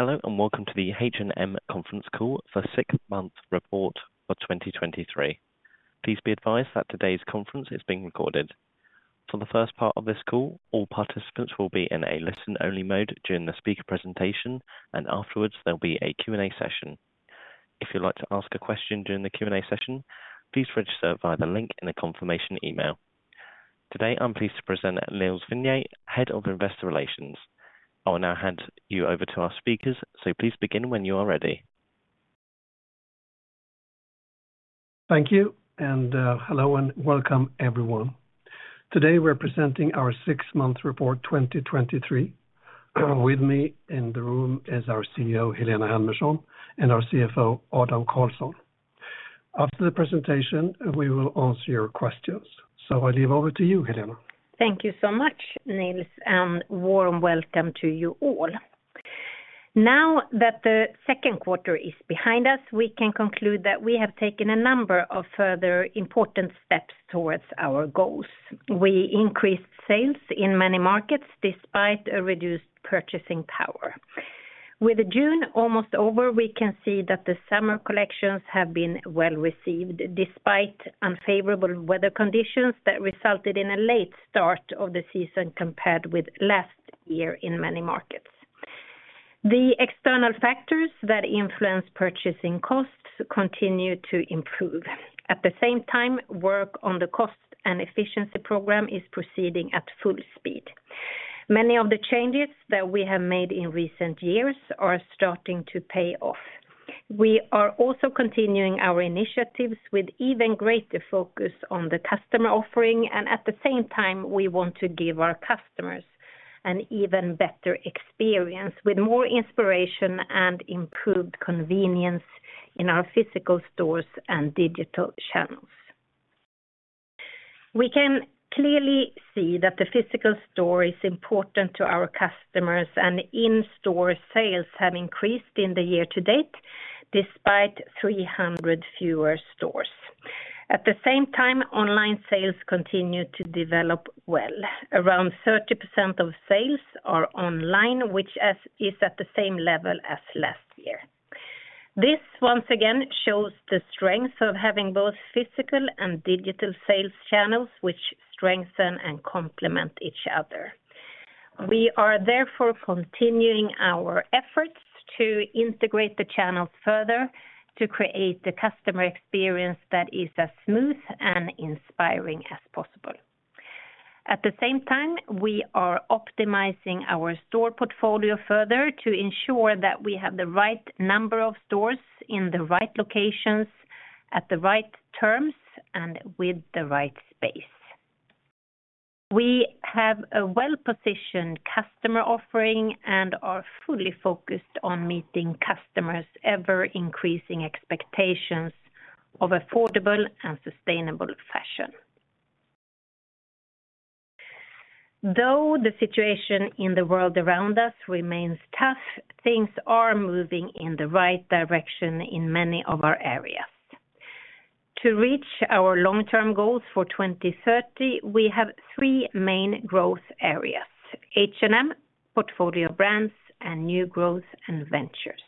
Hello, welcome to the H&M conference call for sixth month report for 2023. Please be advised that today's conference is being recorded. For the first part of this call, all participants will be in a listen-only mode during the speaker presentation. Afterwards, there'll be a Q&A session. If you'd like to ask a question during the Q&A session, please register via the link in the confirmation email. Today, I'm pleased to present Nils Vinge, Head of Investor Relations. I will now hand you over to our speakers. Please begin when you are ready. Thank you, hello, and welcome, everyone. Today, we're presenting our six-month report, 2023. With me in the room is our CEO, Helena Helmersson, and our CFO, Adam Karlsson. After the presentation, we will answer your questions. I leave over to you, Helena. Thank you so much, Nils, and warm welcome to you all. Now that the second quarter is behind us, we can conclude that we have taken a number of further important steps towards our goals. We increased sales in many markets, despite a reduced purchasing power. With June almost over, we can see that the summer collections have been well-received, despite unfavorable weather conditions that resulted in a late start of the season compared with last year in many markets. The external factors that influence purchasing costs continue to improve. At the same time, work on the cost and efficiency program is proceeding at full speed. Many of the changes that we have made in recent years are starting to pay off. We are also continuing our initiatives with even greater focus on the customer offering. At the same time, we want to give our customers an even better experience, with more inspiration and improved convenience in our physical stores and digital channels. We can clearly see that the physical store is important to our customers, and in-store sales have increased in the year-to-date, despite 300 fewer stores. At the same time, online sales continue to develop well. Around 30% of sales are online, which is at the same level as last year. This, once again, shows the strength of having both physical and digital sales channels, which strengthen and complement each other. We are therefore continuing our efforts to integrate the channels further to create a customer experience that is as smooth and inspiring as possible. At the same time, we are optimizing our store portfolio further to ensure that we have the right number of stores in the right locations, at the right terms, and with the right space. We have a well-positioned customer offering and are fully focused on meeting customers' ever-increasing expectations of affordable and sustainable fashion. Though the situation in the world around us remains tough, things are moving in the right direction in many of our areas. To reach our long-term goals for 2030, we have three main growth areas: H&M, portfolio brands, and new growth and ventures.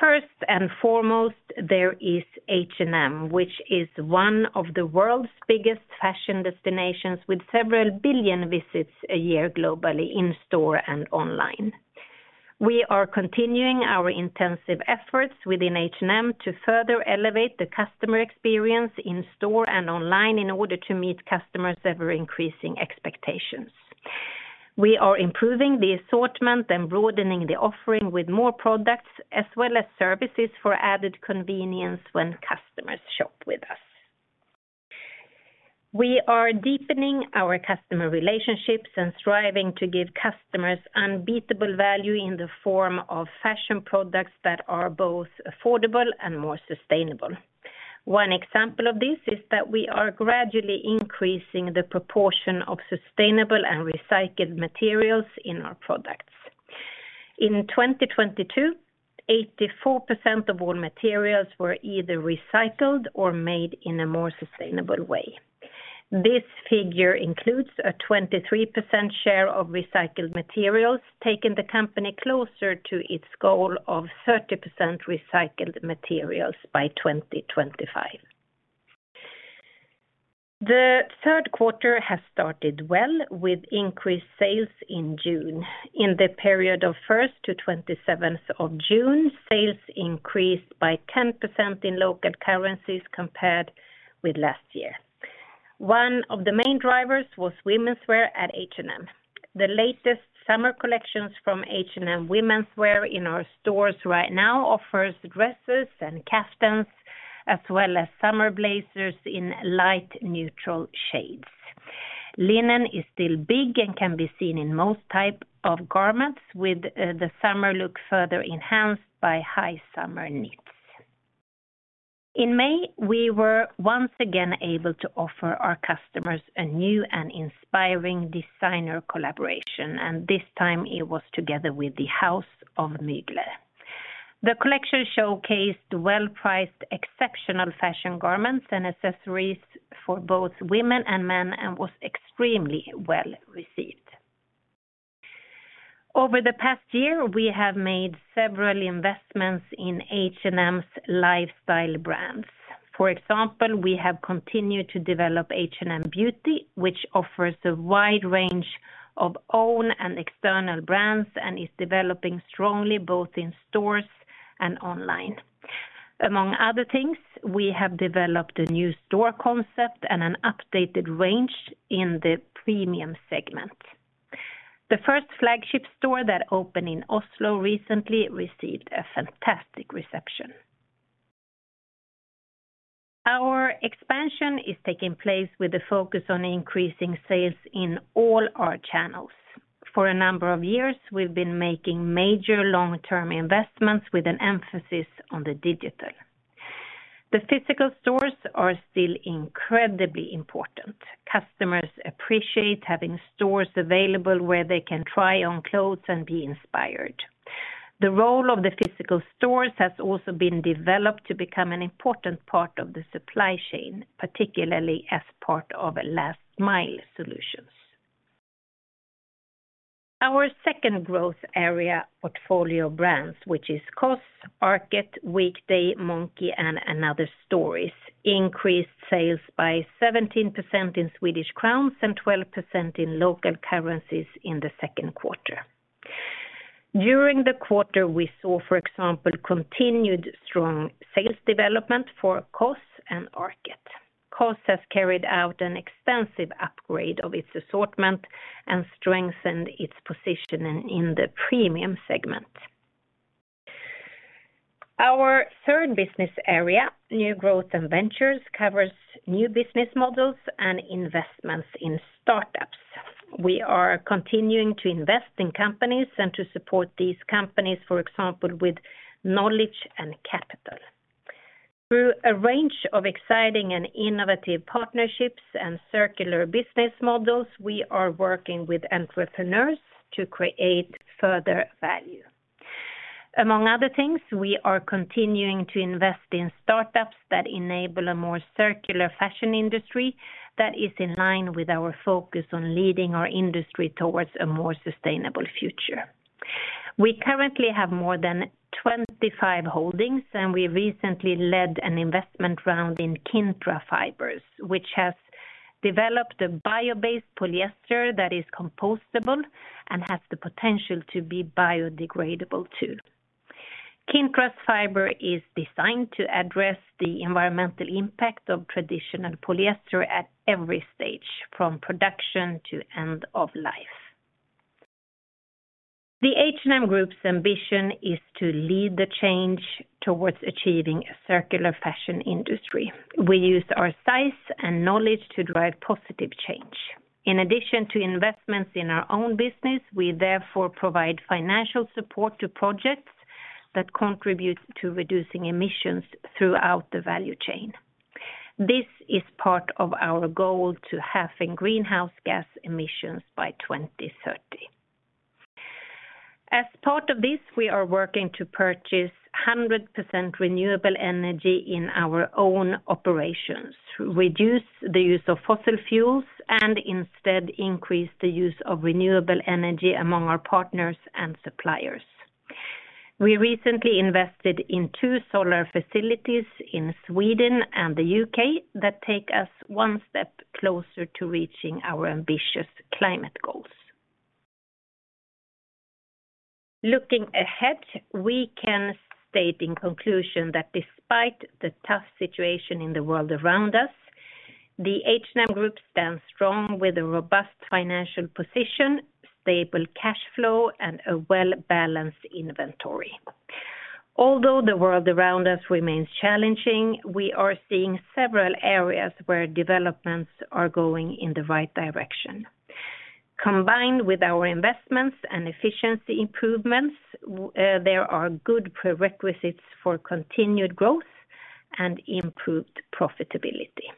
First and foremost, there is H&M, which is one of the world's biggest fashion destinations, with several billion visits a year globally, in-store and online. We are continuing our intensive efforts within H&M to further elevate the customer experience in-store and online in order to meet customers' ever-increasing expectations. We are improving the assortment and broadening the offering with more products, as well as services for added convenience when customers shop with us. We are deepening our customer relationships and striving to give customers unbeatable value in the form of fashion products that are both affordable and more sustainable. One example of this is that we are gradually increasing the proportion of sustainable and recycled materials in our products. In 2022, 84% of all materials were either recycled or made in a more sustainable way. This figure includes a 23% share of recycled materials, taking the company closer to its goal of 30% recycled materials by 2025. The third quarter has started well, with increased sales in June. In the period of 1st to 27th of June, sales increased by 10% in local currencies compared with last year. One of the main drivers was womenswear at H&M. The latest summer collections from H&M womenswear in our stores right now offers dresses and caftans, as well as summer blazers in light, neutral shades. Linen is still big and can be seen in most type of garments, with the summer look further enhanced by high summer knits. In May, we were once again able to offer our customers a new and inspiring designer collaboration, and this time it was together with the house of Mugler. The collection showcased well-priced, exceptional fashion garments and accessories for both women and men, and was extremely well received. Over the past year, we have made several investments in H&M's lifestyle brands. For example, we have continued to develop H&M Beauty, which offers a wide range of own and external brands, and is developing strongly both in stores and online. Among other things, we have developed a new store concept and an updated range in the premium segment. The first flagship store that opened in Oslo recently received a fantastic reception. Our expansion is taking place with a focus on increasing sales in all our channels. For a number of years, we've been making major long-term investments with an emphasis on the digital. The physical stores are still incredibly important. Customers appreciate having stores available where they can try on clothes and be inspired. The role of the physical stores has also been developed to become an important part of the supply chain, particularly as part of a last mile solutions. Our second growth area, portfolio brands, which is COS, ARKET, Weekday, Monki, and & Other Stories, increased sales by 17% in SEK and 12% in local currencies in the 2Q. During the quarter, we saw, for example, continued strong sales development for COS and ARKET. COS has carried out an extensive upgrade of its assortment and strengthened its position in the premium segment. Our third business area, new growth and ventures, covers new business models and investments in startups. We are continuing to invest in companies and to support these companies, for example, with knowledge and capital. Through a range of exciting and innovative partnerships and circular business models, we are working with entrepreneurs to create further value. Among other things, we are continuing to invest in startups that enable a more circular fashion industry that is in line with our focus on leading our industry towards a more sustainable future. We currently have more than 25 holdings. We recently led an investment round in Kintra Fibers, which has developed a bio-based polyester that is compostable and has the potential to be biodegradable, too. Kintra Fiber is designed to address the environmental impact of traditional polyester at every stage, from production to end of life. The H&M Group's ambition is to lead the change towards achieving a circular fashion industry. We use our size and knowledge to drive positive change. In addition to investments in our own business, we therefore provide financial support to projects that contribute to reducing emissions throughout the value chain. This is part of our goal to halving greenhouse gas emissions by 2030. As part of this, we are working to purchase 100% renewable energy in our own operations, reduce the use of fossil fuels, and instead increase the use of renewable energy among our partners and suppliers. We recently invested in two solar facilities in Sweden and the U.K. that take us one step closer to reaching our ambitious climate goals. Looking ahead, we can state in conclusion that despite the tough situation in the world around us, the H&M Group stands strong with a robust financial position, stable cash flow, and a well-balanced inventory. Although the world around us remains challenging, we are seeing several areas where developments are going in the right direction. Combined with our investments and efficiency improvements, there are good prerequisites for continued growth and improved profitability.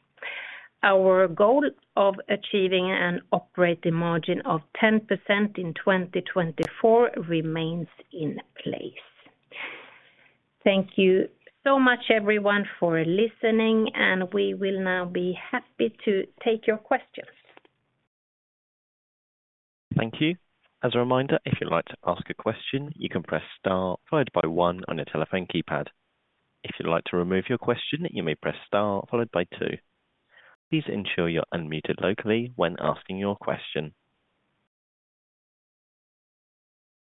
Our goal of achieving an operating margin of 10% in 2024 remains in place. Thank you so much, everyone, for listening, and we will now be happy to take your questions. Thank you. As a reminder, if you'd like to ask a question, you can press star, followed by one on your telephone keypad. If you'd like to remove your question, you may press star, followed by two. Please ensure you're unmuted locally when asking your question.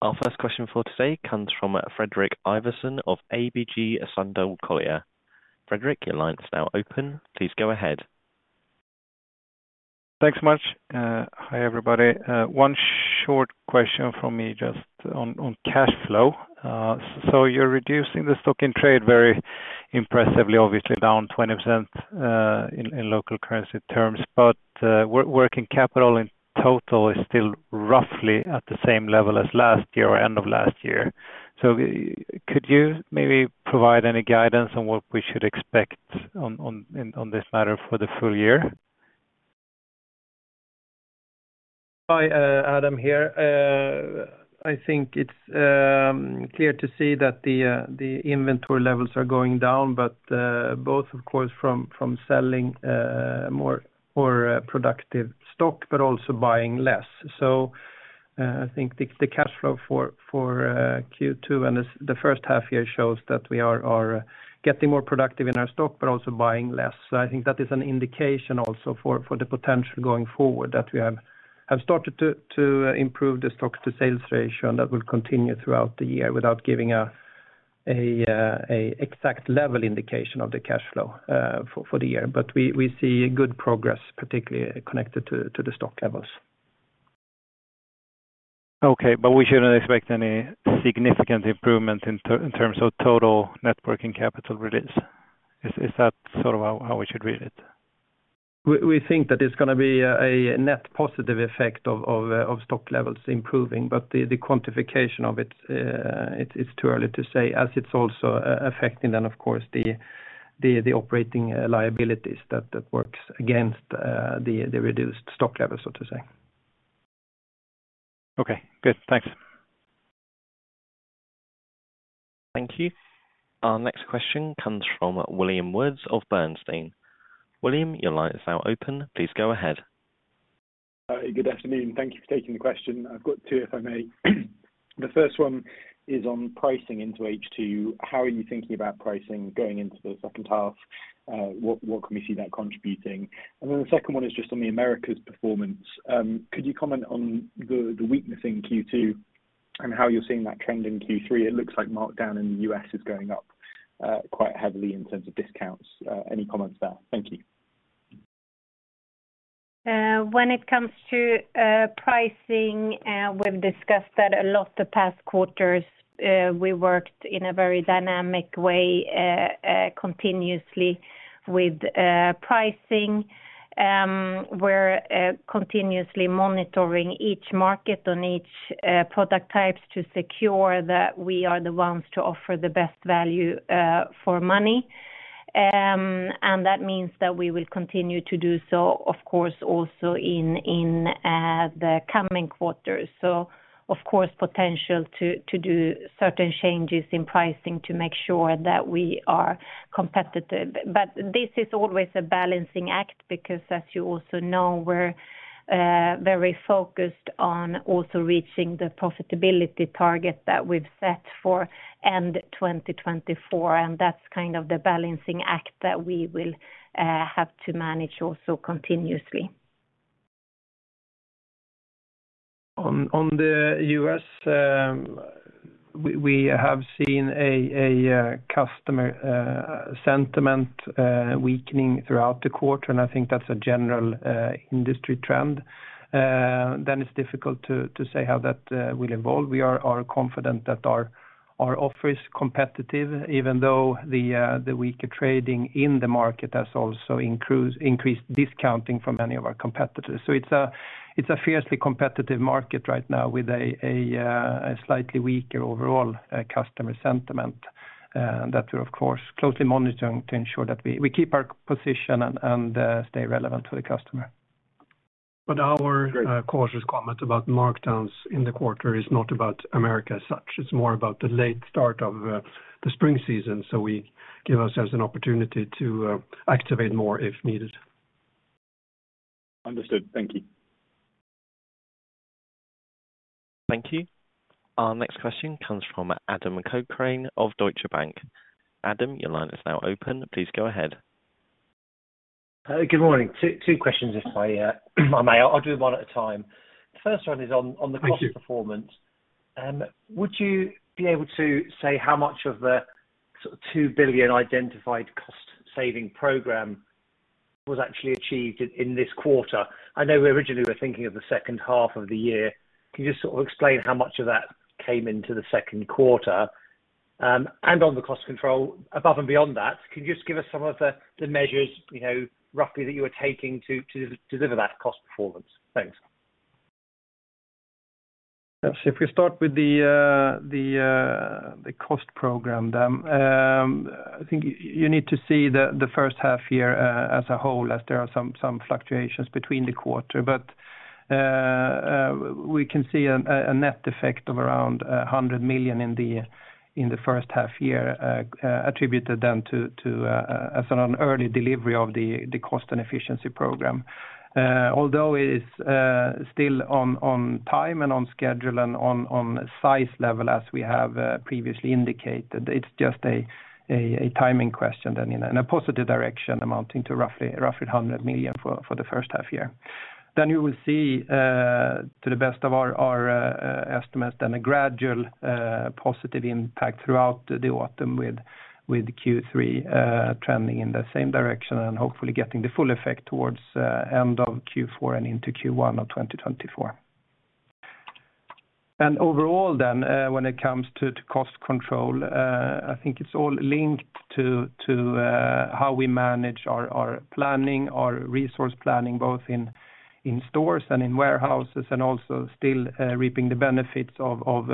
Our first question for today comes from Fredrik Ivarsson of ABG Sundal Collier. Fredrik, your line is now open. Please go ahead. Thanks much. Hi, everybody. One short question from me, just on cash flow. You're reducing the stock in trade very impressively, obviously down 20% in local currency terms, but working capital in total is still roughly at the same level as last year or end of last year. Could you maybe provide any guidance on what we should expect on this matter for the full year? Hi, Adam here. I think it's clear to see that the inventory levels are going down, but both of course, from selling more productive stock, but also buying less. I think the cash flow for Q2 and the first half year shows that we are getting more productive in our stock, but also buying less. I think that is an indication also for the potential going forward, that we have started to improve the stocks to sales ratio, and that will continue throughout the year without giving an exact level indication of the cash flow for the year. We see good progress, particularly connected to the stock levels. Okay, we shouldn't expect any significant improvement in terms of total net working capital release? Is that sort of how we should read it? We think that it's gonna be a net positive effect of stock levels improving, but the quantification of it's too early to say, as it's also affecting then, of course, the operating liabilities that works against the reduced stock levels, so to say. Okay, good. Thanks. Thank you. Our next question comes from William Woods of Bernstein. William, your line is now open. Please go ahead. Hi, good afternoon. Thank you for taking the question. I've got two, if I may. The first one is on pricing into H2. How are you thinking about pricing going into the second half? What can we see that contributing? The second one is just on the Americas performance. Could you comment on the weakness in Q2 and how you're seeing that trend in Q3? It looks like markdown in the U.S. is going up quite heavily in terms of discounts. Any comments there? Thank you. When it comes to pricing, we've discussed that a lot the past quarters. We worked in a very dynamic way continuously with pricing. We're continuously monitoring each market on each product type to secure that we are the ones to offer the best value for money. And that means that we will continue to do so, of course, also in the coming quarters. Of course, potential to do certain changes in pricing to make sure that we are competitive. But this is always a balancing act, because as you also know, we're very focused on also reaching the profitability target that we've set for end 2024. And that's kind of the balancing act that we will have to manage also continuously. On the U.S., we have seen a customer sentiment weakening throughout the quarter, and I think that's a general industry trend. It's difficult to say how that will evolve. We are confident that our offer is competitive, even though the weaker trading in the market has also increased discounting from many of our competitors. It's a fiercely competitive market right now with a slightly weaker overall customer sentiment. That we're, of course, closely monitoring to ensure that we keep our position and stay relevant to the customer. Great. Our cautious comment about markdowns in the quarter is not about America as such. It's more about the late start of the spring season, so we give ourselves an opportunity to activate more if needed. Understood. Thank you. Thank you. Our next question comes from Adam Cochrane of Deutsche Bank. Adam, your line is now open. Please go ahead. Good morning. Two questions, if I may. I'll do one at a time. First one is. Thank you. On the cost performance. Would you be able to say how much of the sort of 2 billion identified cost saving program was actually achieved in this quarter? I know we originally were thinking of the second half of the year. Can you just sort of explain how much of that came into the second quarter? On the cost control above and beyond that, can you just give us some of the measures, you know, roughly, that you are taking to deliver that cost performance? Thanks. Yes, if we start with the cost program, then, I think you need to see the first half year as a whole, as there are some fluctuations between the quarter. We can see a net effect of around 100 million in the first half year, attributed then to as an early delivery of the cost and efficiency program. Although it's still on time and on schedule and on size level, as we have previously indicated, it's just a timing question, then in a positive direction, amounting to roughly 100 million for the first half year. You will see, to the best of our estimates, then a gradual positive impact throughout the autumn with Q3 trending in the same direction and hopefully getting the full effect towards end of Q4 and into Q1 of 2024. Overall then, when it comes to cost control, I think it's all linked to how we manage our planning, our resource planning, both in stores and in warehouses, and also still reaping the benefits of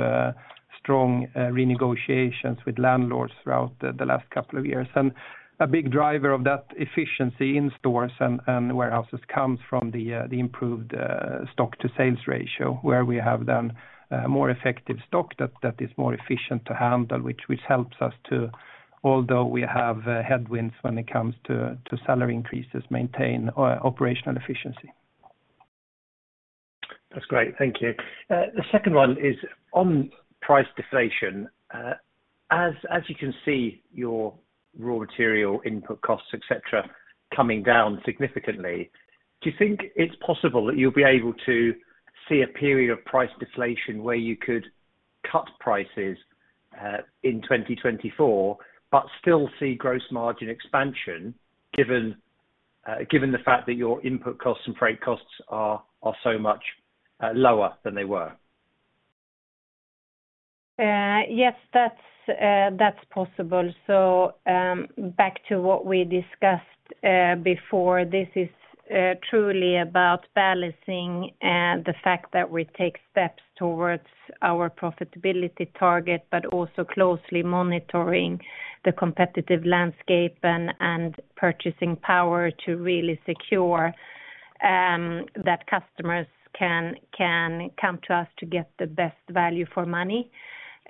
strong renegotiations with landlords throughout the last couple of years. A big driver of that efficiency in stores and warehouses comes from the improved stock to sales ratio, where we have then more effective stock that is more efficient to handle, which helps us to, although we have headwinds when it comes to salary increases, maintain operational efficiency. That's great, thank you. The second one is on price deflation. As you can see, your raw material input costs, et cetera, coming down significantly, do you think it's possible that you'll be able to see a period of price deflation where you could cut prices in 2024, but still see gross margin expansion, given the fact that your input costs and freight costs are so much lower than they were? Yes, that's that's possible. Back to what we discussed before, this is truly about balancing the fact that we take steps towards our profitability target, but also closely monitoring the competitive landscape and purchasing power to really secure that customers can come to us to get the best value for money.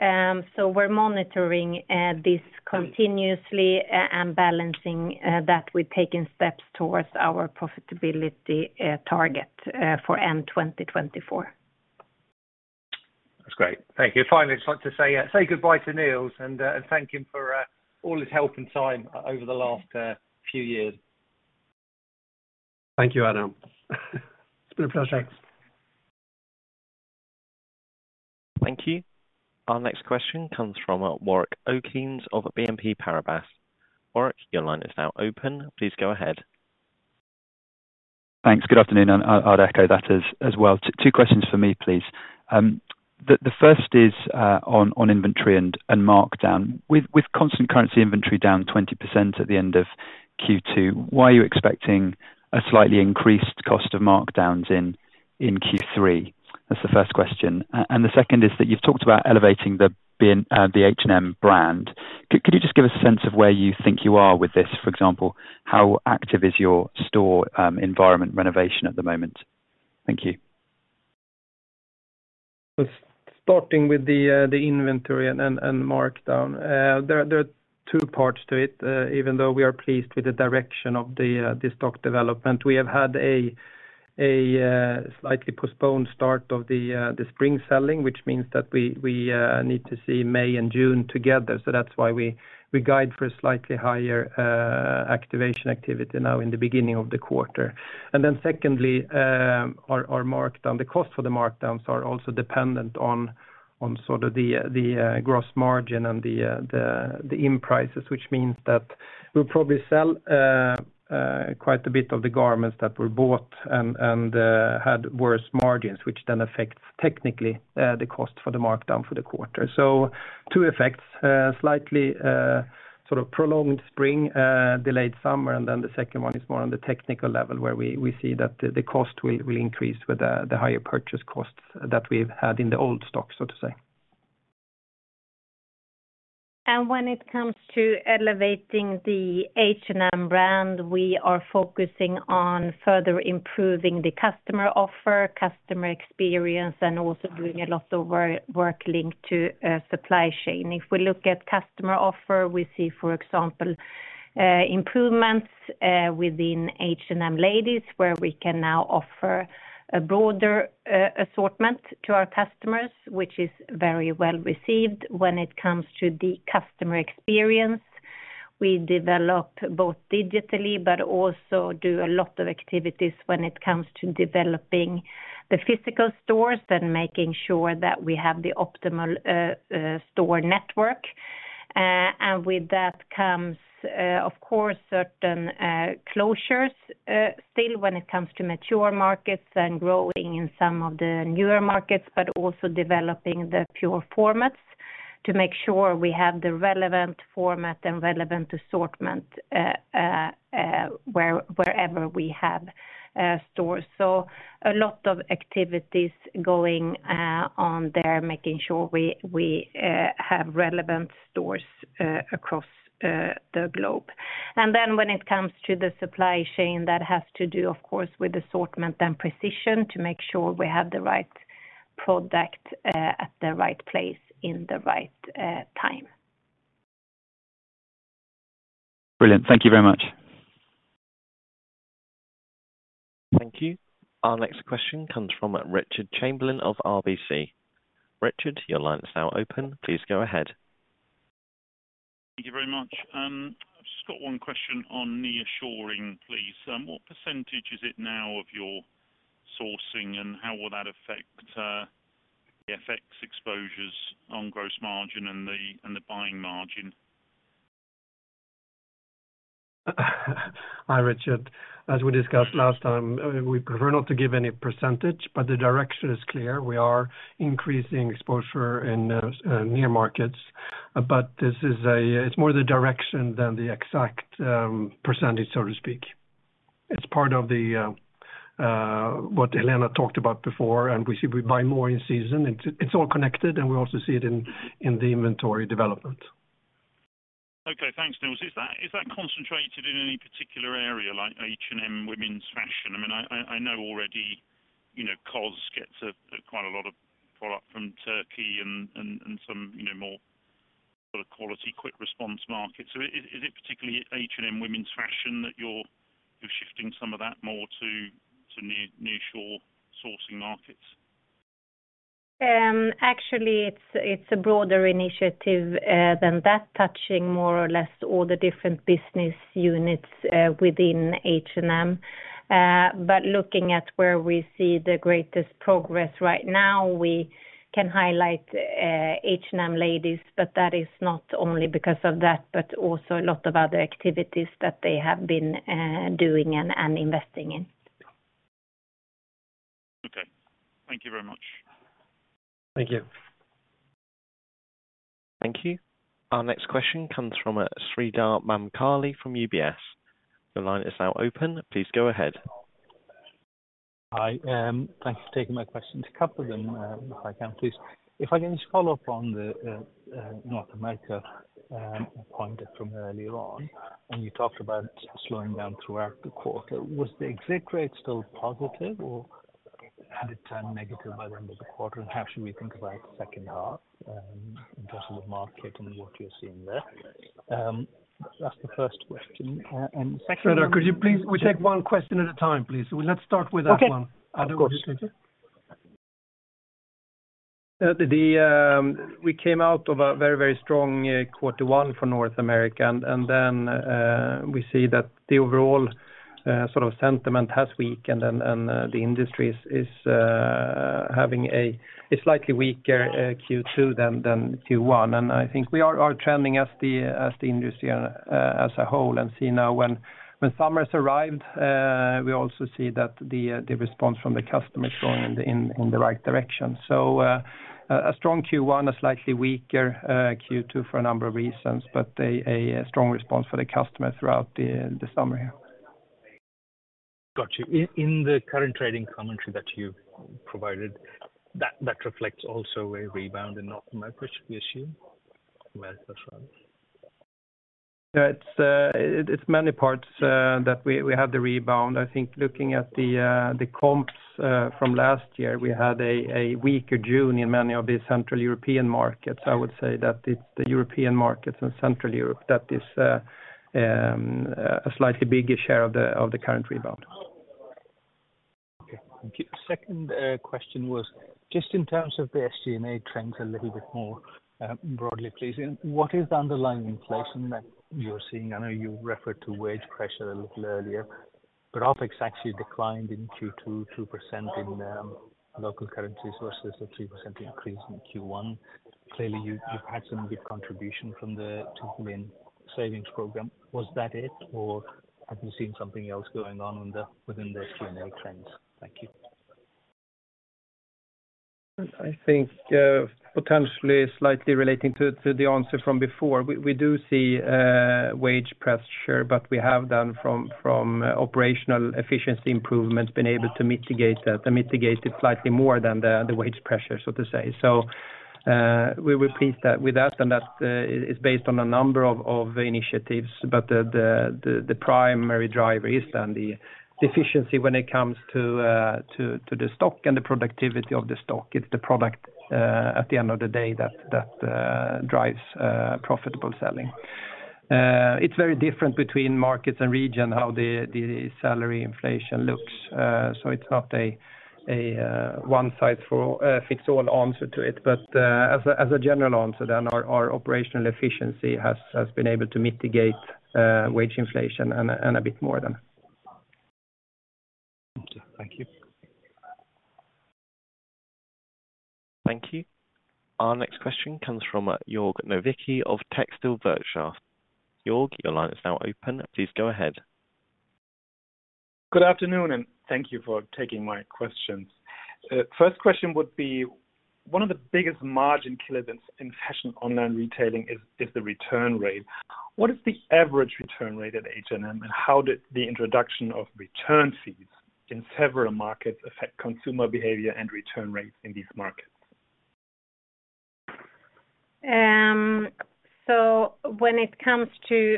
We're monitoring this continuously, and balancing that with taking steps towards our profitability target for end 2024. That's great. Thank you. Finally, I'd just like to say goodbye to Nils and thank him for all his help and time over the last few years. Thank you, Adam. It's been a pleasure. Thank you. Our next question comes from Warwick Okines of BNP Paribas. Warwick, your line is now open. Please go ahead. Thanks. Good afternoon, and I'll echo that as well. Two questions for me, please. The first is on inventory and markdown. With constant currency inventory down 20% at the end of Q2, why are you expecting a slightly increased cost of markdowns in Q3? That's the first question. The second is that you've talked about elevating the H&M brand. Could you just give us a sense of where you think you are with this? For example, how active is your store environment renovation at the moment? Thank you. Starting with the inventory and markdown. There are two parts to it. Even though we are pleased with the direction of the stock development, we have had a slightly postponed start of the spring selling, which means that we need to see May and June together. That's why we guide for a slightly higher activation activity now in the beginning of the quarter. Then secondly, our markdown. The cost for the markdowns are also dependent on sort of the gross margin and the in prices, which means that we'll probably sell quite a bit of the garments that were bought and had worse margins, which then affects technically the cost for the markdown for the quarter. Two effects, slightly, sort of prolonged spring, delayed summer, and then the second one is more on the technical level, where we see that the cost will increase with the higher purchase costs that we've had in the old stock, so to say. When it comes to elevating the H&M brand, we are focusing on further improving the customer offer, customer experience, and also doing a lot of work linked to supply chain. We look at customer offer, we see, for example, improvements within H&M ladies, where we can now offer a broader assortment to our customers, which is very well received. When it comes to the customer experience, we develop both digitally but also do a lot of activities when it comes to developing the physical stores and making sure that we have the optimal store network. With that comes, of course, certain closures, still when it comes to mature markets and growing in some of the newer markets, but also developing the pure formats to make sure we have the relevant format and relevant assortment, wherever we have stores. A lot of activities going on there, making sure we have relevant stores across the globe. Then when it comes to the supply chain, that has to do, of course, with assortment and precision to make sure we have the right product, at the right place in the right time. Brilliant. Thank you very much. Thank you. Our next question comes from Richard Chamberlain of RBC. Richard, your line is now open. Please go ahead. Thank you very much. I've just got one question on nearshoring, please. What percentage is it now of your sourcing, and how will that affect the effects exposures on gross margin and the buying margin? Hi, Richard. As we discussed last time, we prefer not to give any percentage, but the direction is clear. We are increasing exposure in near markets, but it's more the direction than the exact percentage, so to speak. It's part of the, what Helena talked about before, and we see we buy more in season. It's all connected, and we also see it in the inventory development. Okay, thanks, Nils. Is that concentrated in any particular area like H&M women's fashion? I mean, I know already, you know, COS gets quite a lot of product from Turkey and some, you know, more sort of quality, quick response markets. Is it particularly H&M women's fashion that you're shifting some of that more to nearshore sourcing markets? Actually, it's a broader initiative than that, touching more or less all the different business units within H&M. But looking at where we see the greatest progress right now, we can highlight H&M ladies, but that is not only because of that, but also a lot of other activities that they have been doing and investing in. Okay. Thank you very much. Thank you. Thank you. Our next question comes from Sreedhar Mahamkali from UBS. The line is now open. Please go ahead. Hi, thanks for taking my question. A couple of them, if I can, please. If I can just follow up on the North America point from earlier on, when you talked about slowing down throughout the quarter, was the exit rate still positive, or had it turned negative by the end of the quarter? How should we think about the second half in terms of the market and what you're seeing there? That's the first question, and second. Sreedhar, could you please, we take one question at a time, please. Let's start with that one. Okay. Of course. Thank you. We came out of a very, very strong quarter one for North America, and then, we see that the overall sort of sentiment has weakened and the industry is having a slightly weaker Q2 than Q1. I think we are trending as the industry as a whole, and see now when summer's arrived, we also see that the response from the customer is going in the right direction. A strong Q1, a slightly weaker Q2 for a number of reasons, but a strong response for the customer throughout the summer here. Got you. In the current trading commentary that you provided, that reflects also a rebound in North America, we assume, as well? Yeah, it's many parts that we had the rebound. I think looking at the comps from last year, we had a weaker June in many of the Central European markets. I would say that it's the European markets and Central Europe that is a slightly bigger share of the, of the current rebound. Okay, thank you. Second, question was, just in terms of the SG&A trends a little bit more broadly, please. What is the underlying inflation that you're seeing? I know you referred to wage pressure a little earlier, but OpEx actually declined in Q2, 2% in local currencies versus a 3% increase in Q1. Clearly, you've had some good contribution from the SEK 2 million savings program. Was that it, or have you seen something else going on within the SG&A trends? Thank you. I think, potentially slightly relating to the answer from before. We do see wage pressure, but we have done from operational efficiency improvements, been able to mitigate that, and mitigate it slightly more than the wage pressure, so to say. We repeat that with that, and that is based on a number of initiatives, but the primary driver is then the efficiency when it comes to the stock and the productivity of the stock. It's the product, at the end of the day, that drives profitable selling. It's very different between markets and region, how the salary inflation looks. It's not a one size for all fits all answer to it. As a general answer, our operational efficiency has been able to mitigate, wage inflation and a bit more than. Okay. Thank you. Thank you. Our next question comes from Jorg Nowicki of TextilWirtschaft. Jorg, your line is now open. Please go ahead. Good afternoon. Thank you for taking my questions. First question would be: One of the biggest margin killers in fashion online retailing is the return rate. What is the average return rate at H&M, and how did the introduction of return fees in several markets affect consumer behavior and return rates in these markets? When it comes to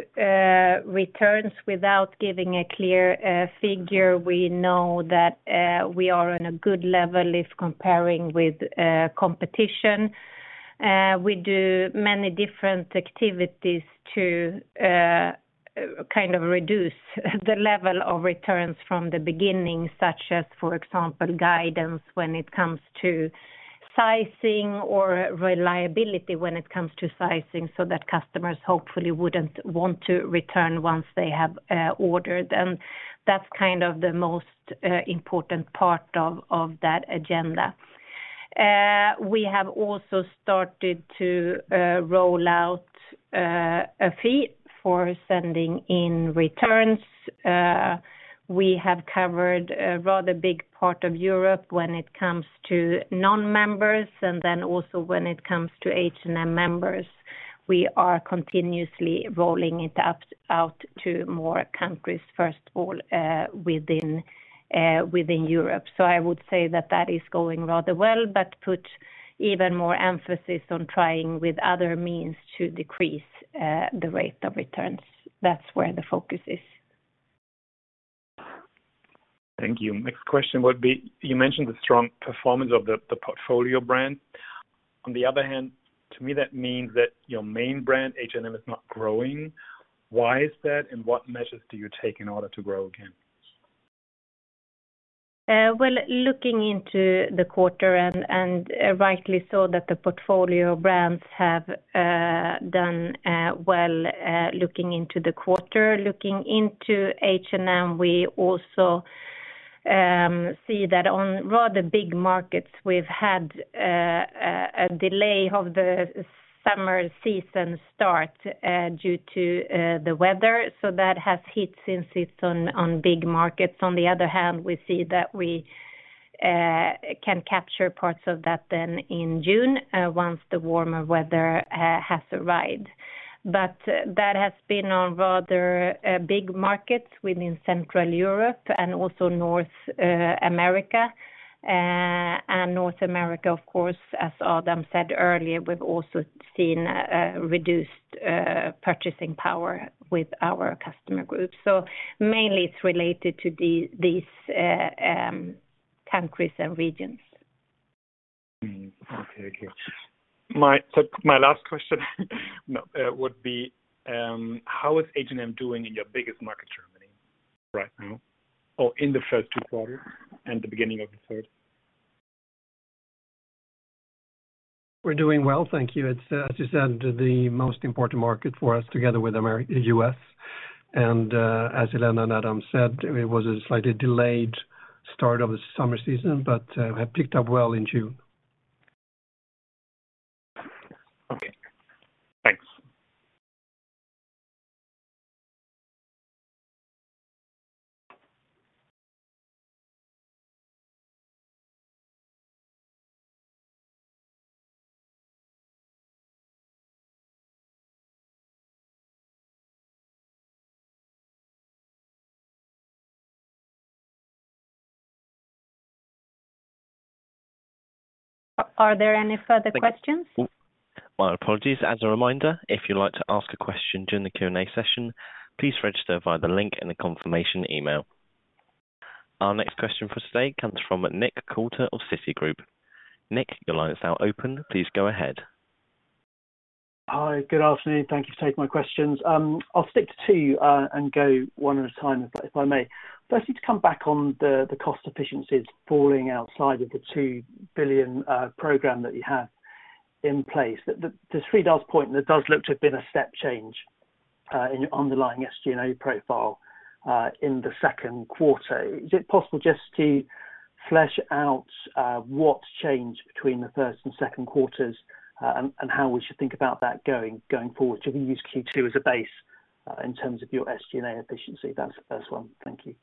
returns, without giving a clear figure, we know that we are on a good level if comparing with competition. We do many different activities to kind of reduce the level of returns from the beginning, such as, for example, guidance when it comes to sizing or reliability when it comes to sizing, so that customers hopefully wouldn't want to return once they have ordered. That's kind of the most important part of that agenda. We have also started to roll out a fee for sending in returns. We have covered a rather big part of Europe when it comes to non-members, also when it comes to H&M members. We are continuously rolling it out to more countries, first all within Europe. I would say that that is going rather well, but put even more emphasis on trying with other means to decrease the rate of returns. That's where the focus is. Thank you. Next question would be, you mentioned the strong performance of the portfolio brand. To me, that means that your main brand, H&M, is not growing. Why is that, and what measures do you take in order to grow again? Looking into the quarter and, rightly so, that the portfolio brands have done well looking into the quarter. Looking into H&M, we also see that on rather big markets, we've had a delay of the summer season start due to the weather, so that has hit since it's on big markets. On the other hand, we see that we can capture parts of that then in June once the warmer weather has arrived. That has been on rather big markets within Central Europe and also North America. North America, of course, as Adam said earlier, we've also seen reduced purchasing power with our customer groups. Mainly it's related to these countries and regions. Mm. Okay, thank you. My last question would be, how is H&M doing in your biggest market, Germany, right now, or in the first two quarters and the beginning of the third? We're doing well, thank you. It's, as you said, the most important market for us, together with the U.S. As Helena and Adam said, it was a slightly delayed start of the summer season, but have picked up well in June. Okay. Thanks. Are there any further questions? My apologies. As a reminder, if you'd like to ask a question during the Q&A session, please register via the link in the confirmation email. Our next question for today comes from Nick Coulter of Citigroup. Nick, your line is now open. Please go ahead. Hi, good afternoon. Thank you for taking my questions. I'll stick to two, and go one at a time, if I may. Firstly, to come back on the cost efficiencies falling outside of the 2 billion program that you have in place. To Frieda's point, there does look to have been a step change in your underlying SG&A profile, in the second quarter. Is it possible just to flesh out what's changed between the first and second quarters, and how we should think about that going forward? Should we use Q2 as a base in terms of your SG&A efficiency? That's the first one. Thank you.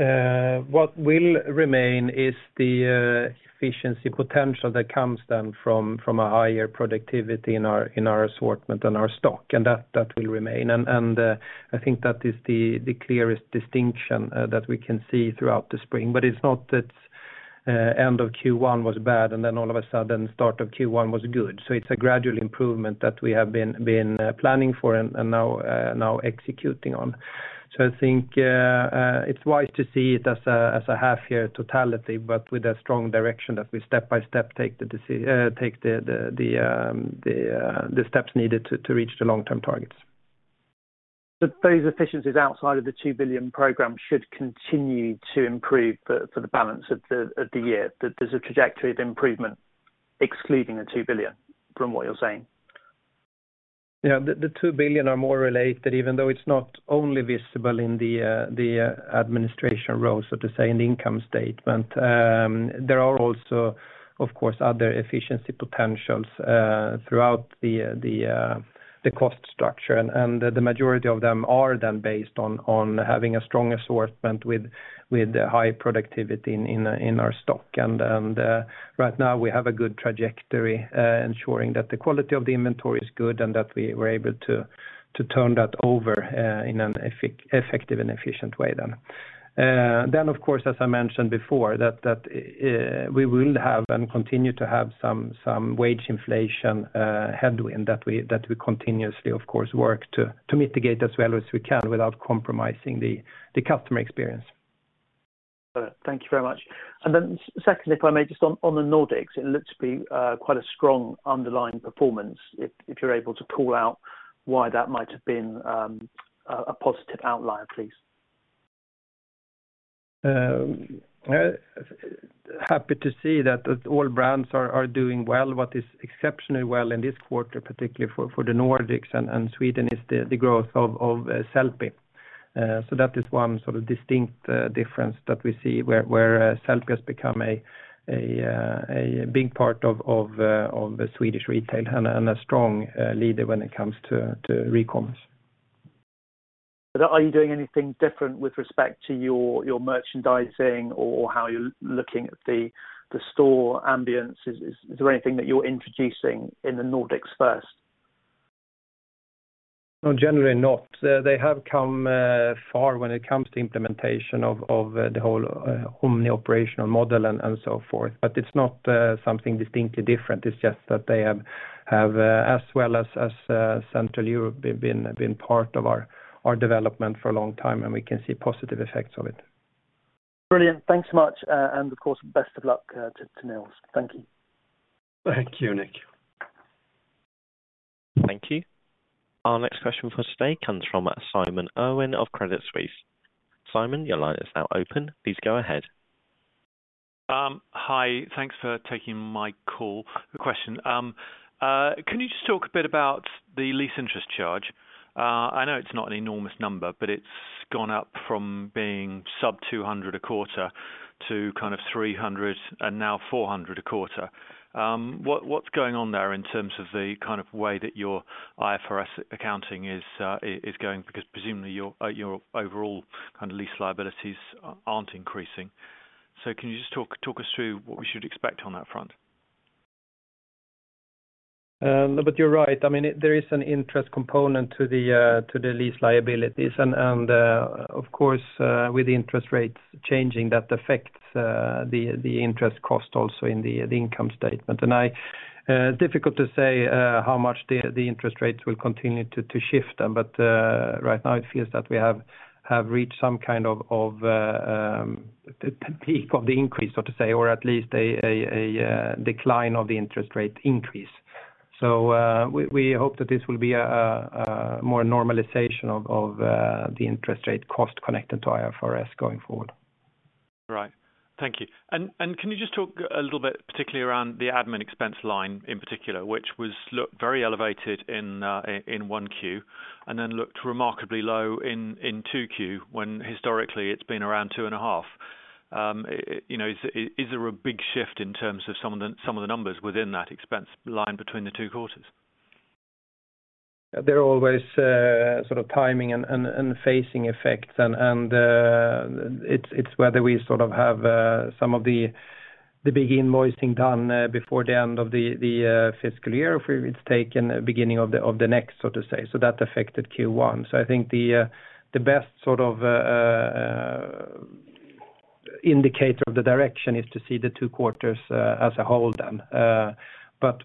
What will remain is the efficiency potential that comes from a higher productivity in our assortment and our stock, and that will remain. I think that is the clearest distinction that we can see throughout the spring. It's not that end of Q1 was bad, and then all of a sudden, start of Q1 was good. It's a gradual improvement that we have been planning for and now executing on. I think it's wise to see it as a half year totality, but with a strong direction that we step by step, take the steps needed to reach the long-term targets. Those efficiencies outside of the 2 billion program should continue to improve for the balance of the year. That there's a trajectory of improvement, excluding the 2 billion, from what you're saying? Yeah, the 2 billion are more related, even though it's not only visible in the administration role, so to say, in the income statement. There are also, of course, other efficiency potentials throughout the cost structure, and the majority of them are then based on having a strong assortment with high productivity in our stock. Right now, we have a good trajectory, ensuring that the quality of the inventory is good and that we were able to turn that over in an effective and efficient way then. Of course, as I mentioned before, that we will have and continue to have some wage inflation, headwind that we continuously, of course, work to mitigate as well as we can without compromising the customer experience. Thank you very much. Secondly, if I may, just on the Nordics, it looks to be quite a strong underlying performance. If you're able to call out why that might have been a positive outlier, please. Happy to see that the all brands are doing well. What is exceptionally well in this quarter, particularly for the Nordics and Sweden, is the growth of Sellpy. That is one sort of distinct difference that we see, where Sellpy has become a big part of Swedish retail and a strong leader when it comes to recommerce. Are you doing anything different with respect to your merchandising or how you're looking at the store ambiance? Is there anything that you're introducing in the Nordics first? No, generally not. They have come far when it comes to implementation of the whole omni-operational model and so forth. It's not something distinctly different. It's just that they have as well as Central Europe, they've been part of our development for a long time, and we can see positive effects of it. Brilliant. Thanks so much, and of course, best of luck to Nils. Thank you. Thank you, Nick. Thank you. Our next question for today comes from Simon Irwin of Credit Suisse. Simon, your line is now open. Please go ahead. Hi. Thanks for taking my call. The question, can you just talk a bit about the lease interest charge? I know it's not an enormous number, but it's gone up from being sub 200 a quarter to kind of 300, and now 400 a quarter. What's going on there in terms of the kind of way that your IFRS accounting is going? Because presumably, your overall kind of lease liabilities aren't increasing. Can you just talk us through what we should expect on that front? You're right. I mean, there is an interest component to the lease liabilities. Of course, with interest rates changing, that affects the interest cost also in the income statement. Difficult to say how much the interest rates will continue to shift. Right now it feels that we have reached some kind of peak of the increase, so to say, or at least a decline of the interest rate increase. We hope that this will be a more normalization of the interest rate cost connected to IFRS going forward. Right. Thank you. Can you just talk a little bit, particularly around the admin expense line in particular, which was look very elevated in 1Q, and then looked remarkably low in 2Q, when historically it's been around 2.5%. you know, is there a big shift in terms of some of the, some of the numbers within that expense line between the two quarters? There are always sort of timing and phasing effects, and it's whether we sort of have some of the big invoicing done before the end of the fiscal year, or if it's taken the beginning of the next, so to say. That affected Q1. I think the best sort of indicator of the direction is to see the two quarters as a whole then.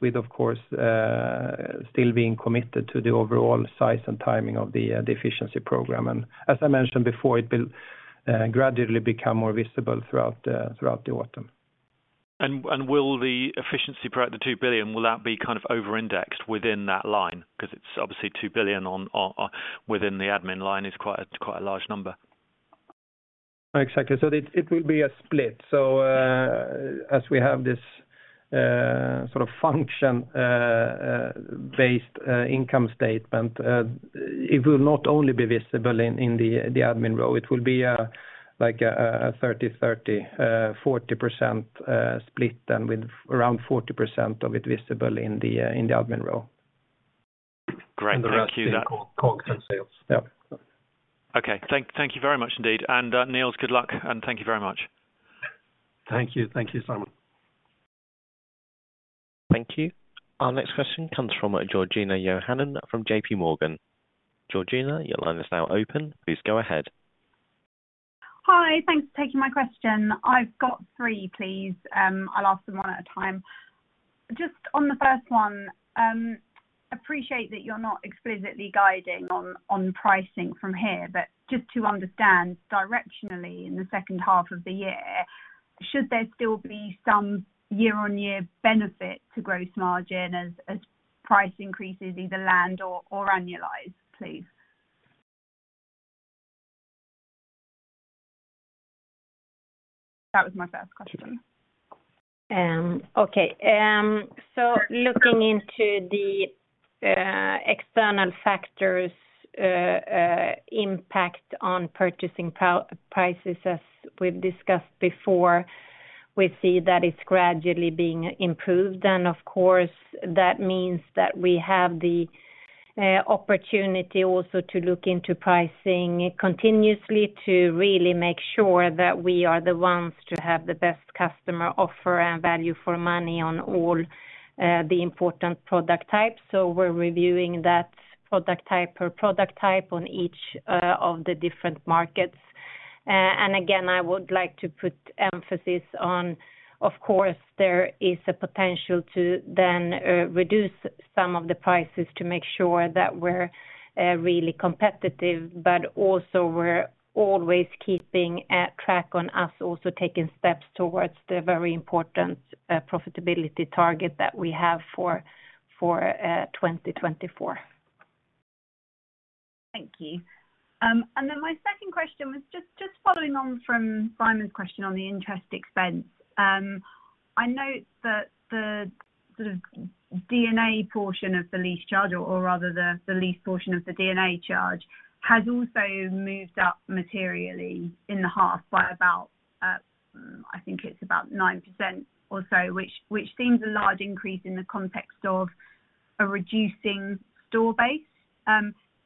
With, of course, still being committed to the overall size and timing of the efficiency program. As I mentioned before, it will gradually become more visible throughout the autumn. Will the efficiency program, the 2 billion, will that be kind of over-indexed within that line? It's obviously 2 billion. Within the admin line is quite a large number. Exactly. It will be a split. As we have this sort of function based income statement, it will not only be visible in the admin role, it will be like a 30%, 30%, 40% split, and with around 40% of it visible in the admin role. Great. The rest in COGS and sales. Yeah. Okay. Thank you very much indeed. Nils, good luck, and thank you very much. Thank you. Thank you, Simon. Thank you. Our next question comes from Georgina Johanan from JPMorgan. Georgina, your line is now open. Please go ahead. Hi. Thanks for taking my question. I've got three, please, I'll ask them one at a time. Just on the first one, appreciate that you're not explicitly guiding on pricing from here, but just to understand directionally in the second half of the year, should there still be some year-on-year benefit to gross margin as price increases, either land or annualized, please? That was my first question. Okay. Looking into the external factors impact on purchasing prices, as we've discussed before, we see that it's gradually being improved. Of course, that means that we have the opportunity also to look into pricing continuously to really make sure that we are the ones to have the best customer offer and value for money on all the important product types. We're reviewing that product type per product type on each of the different markets. Again, I would like to put emphasis on, of course, there is a potential to then reduce some of the prices to make sure that we're really competitive, but also we're always keeping track on us, also taking steps towards the very important profitability target that we have for 2024. Thank you. My second question was just following on from Simon's question on the interest expense. I note that the sort of D&A portion of the lease charge, or rather the lease portion of the D&A charge, has also moved up materially in the half by about, I think it's about 9% or so, which seems a large increase in the context of a reducing store base.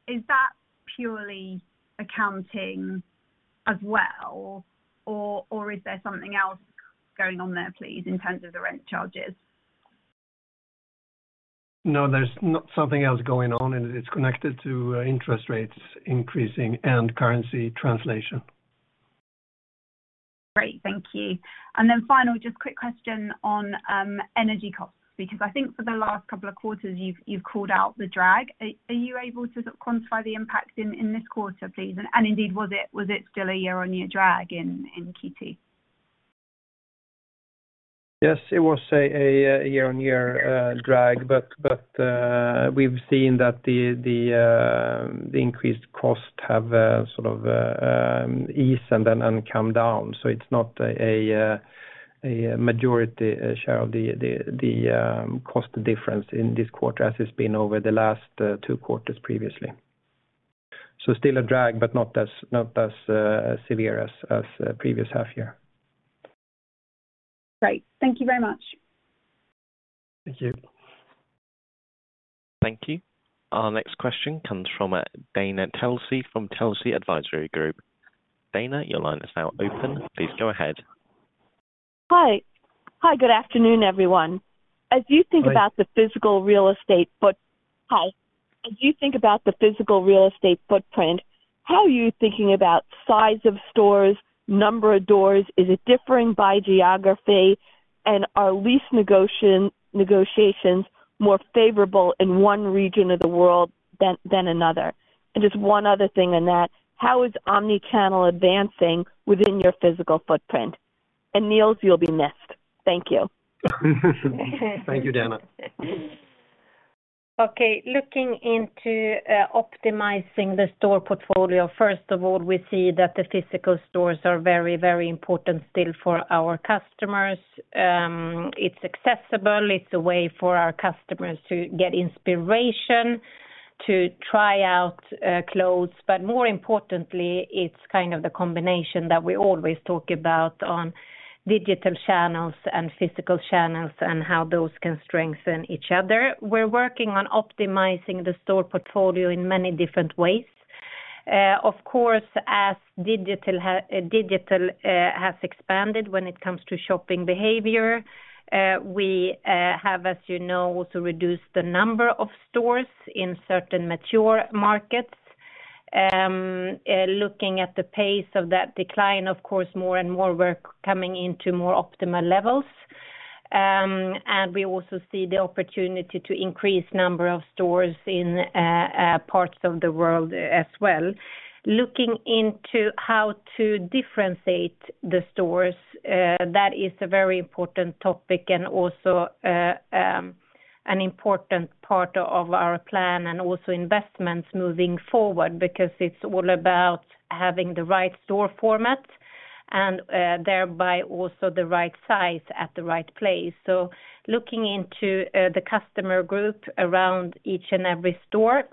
Is that purely accounting as well, or is there something else going on there, please, in terms of the rent charges? No, there's not something else going on, and it's connected to interest rates increasing and currency translation. Great. Thank you. Just a quick question on energy costs, because I think for the last couple of quarters, you've called out the drag. Are you able to quantify the impact in this quarter, please? Was it still a year-on-year drag in Q2? Yes, it was a year-on-year drag. We've seen that the increased cost have sort of eased and then come down. It's not a majority share of the cost difference in this quarter, as it's been over the last two quarters previously. Still a drag, but not as severe as previous half year. Great. Thank you very much. Thank you. Thank you. Our next question comes from Dana Telsey from Telsey Advisory Group. Dana, your line is now open. Please go ahead. Hi. Hi, good afternoon, everyone. Hi. As you think about the physical real estate. Hi. As you think about the physical real estate footprint, how are you thinking about size of stores, number of doors? Is it differing by geography? Are lease negotiations more favorable in one region of the world than another? Just one other thing in that, how is omni-channel advancing within your physical footprint? Nils, you'll be next. Thank you. Thank you, Dana. Okay, looking into optimizing the store portfolio, first of all, we see that the physical stores are very, very important still for our customers. It's accessible. It's a way for our customers to get inspiration to try out clothes. More importantly, it's kind of the combination that we always talk about on digital channels and physical channels and how those can strengthen each other. We're working on optimizing the store portfolio in many different ways. Of course, as digital has expanded when it comes to shopping behavior, we have, as you know, also reduced the number of stores in certain mature markets. Looking at the pace of that decline, of course, more and more we're coming into more optimal levels. We also see the opportunity to increase number of stores in parts of the world as well. Looking into how to differentiate the stores, that is a very important topic and also an important part of our plan and also investments moving forward, because it's all about having the right store format and thereby also the right size at the right place. Looking into the customer group around each and every store,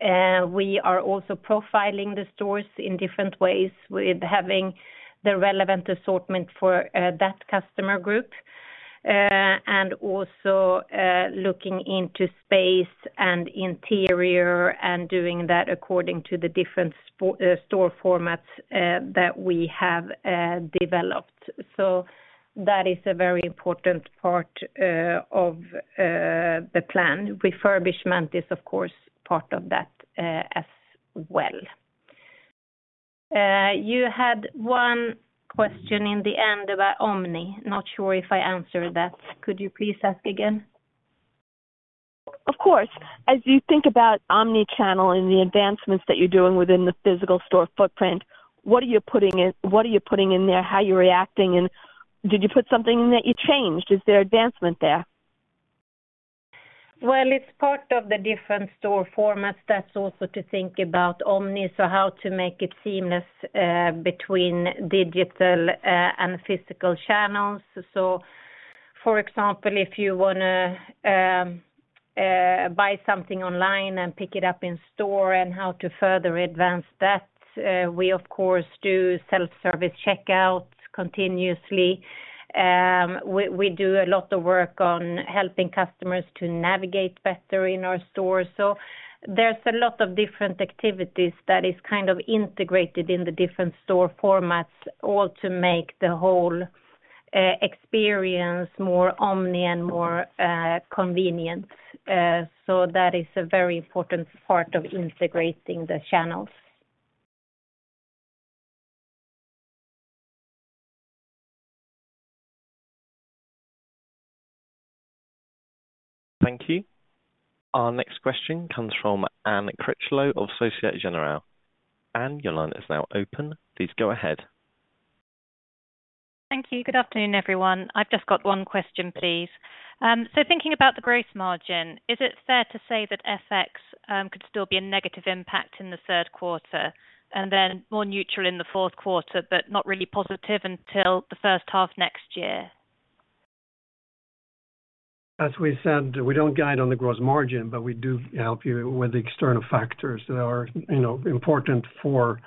we are also profiling the stores in different ways, with having the relevant assortment for that customer group. Also looking into space and interior and doing that according to the different store formats that we have developed. That is a very important part of the plan. Refurbishment is, of course, part of that as well. You had one question in the end about omni. Not sure if I answered that. Could you please ask again? Of course. As you think about omni-channel and the advancements that you're doing within the physical store footprint, what are you putting in there? How are you reacting, and did you put something that you changed? Is there advancement there? It's part of the different store formats. That's also to think about omni, how to make it seamless between digital and physical channels. For example, if you want to buy something online and pick it up in store and how to further advance that, we, of course, do self-service checkout continuously. We do a lot of work on helping customers to navigate better in our stores. There's a lot of different activities that is kind of integrated in the different store formats, all to make the whole experience more omni and more convenient. That is a very important part of integrating the channels. Thank you. Our next question comes from Anne Critchlow of Societe Generale. Anne, your line is now open. Please go ahead. Thank you. Good afternoon, everyone. I've just got one question, please. Thinking about the gross margin, is it fair to say that FX could still be a negative impact in the third quarter, and then more neutral in the fourth quarter, but not really positive until the first half next year? As we said, we don't guide on the gross margin, but we do help you with the external factors that are, you know, important for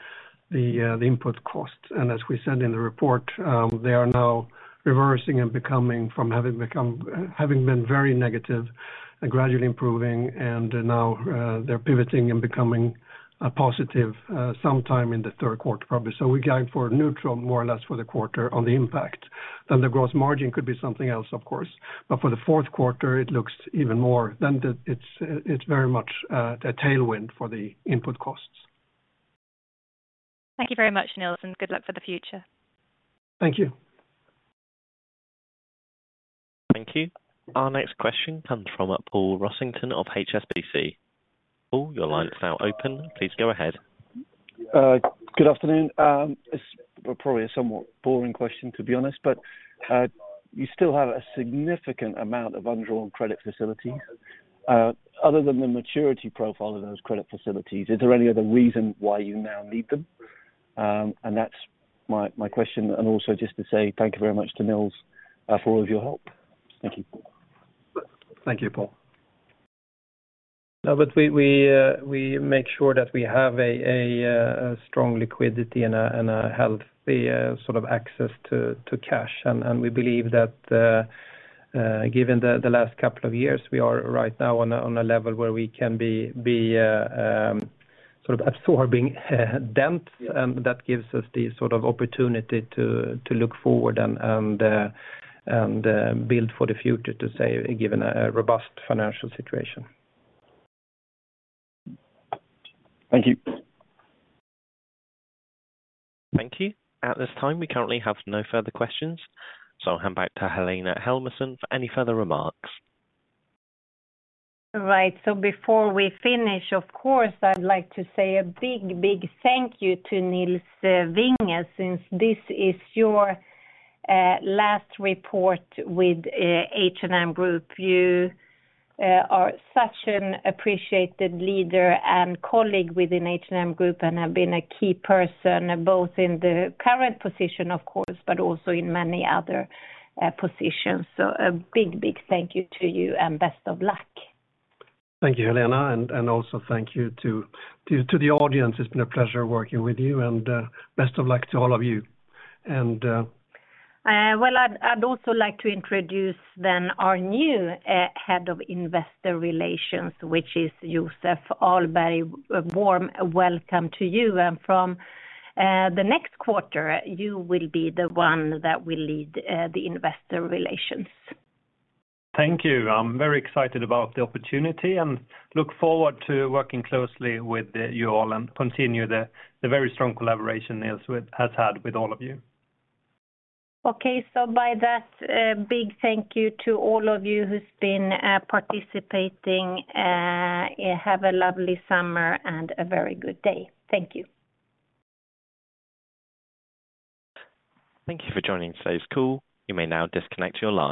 the input costs. As we said in the report, they are now reversing and becoming from having been very negative and gradually improving, and now, they're pivoting and becoming a positive sometime in the third quarter, probably. We're going for neutral, more or less, for the quarter on the impact. The gross margin could be something else, of course. For the fourth quarter, it looks even more, then it's very much a tailwind for the input costs. Thank you very much, Nils, and good luck for the future. Thank you. Thank you. Our next question comes from Paul Rossington of HSBC. Paul, your line is now open. Please go ahead. Good afternoon. It's probably a somewhat boring question, to be honest, but you still have a significant amount of undrawn credit facilities. Other than the maturity profile of those credit facilities, is there any other reason why you now need them? That's my question. Also just to say thank you very much to Nils, for all of your help. Thank you. Thank you, Paul. No, we make sure that we have a strong liquidity and a healthy sort of access to cash. We believe that given the last couple of years, we are right now on a level where we can be sort of absorbing dents, and that gives us the sort of opportunity to look forward and build for the future, to say, given a robust financial situation. Thank you. Thank you. At this time, we currently have no further questions. I'll hand back to Helena Helmersson for any further remarks. Before we finish, of course, I'd like to say a big, big thank you to Nils Vinge, since this is your last report with H&M Group. You are such an appreciated leader and colleague within H&M Group, and have been a key person, both in the current position, of course, but also in many other positions. A big, big thank you to you and best of luck. Thank you, Helena, and also thank you to the audience. It's been a pleasure working with you, and best of luck to all of you. Well, I'd also like to introduce then our new Head of Investor Relations, which is Joseph Ahlberg. A warm welcome to you, and from the next quarter, you will be the one that will lead the investor relations. Thank you. I'm very excited about the opportunity and look forward to working closely with you all and continue the very strong collaboration Nils has had with all of you. By that, a big thank you to all of you who's been participating. Have a lovely summer and a very good day. Thank you. Thank you for joining today's call. You may now disconnect your line.